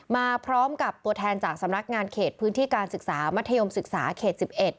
มาพร้อมกับตัวแทนจากสำนักงานเขตพื้นที่การศึกษามัธยมศึกษาเขต๑๑